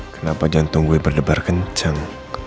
kenapa jantung gue berdebar kencang